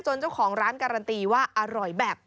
เจ้าของร้านการันตีว่าอร่อยแบบ